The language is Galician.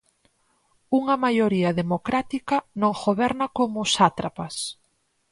Unha maioría democrática non goberna como os sátrapas.